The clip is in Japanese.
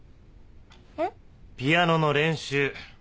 ピアノの練習。